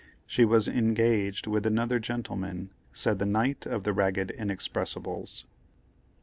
She was "engaged" with another gentleman, said the knight of the ragged inexpressibles.